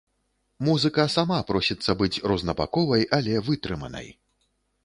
Музыка сама просіцца быць рознабаковай, але вытрыманай.